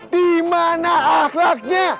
di mana akhlaknya